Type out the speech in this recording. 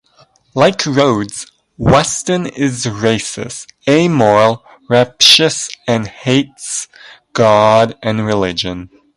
Like Rhodes, Weston is racist, amoral, rapacious, and hates God and religion.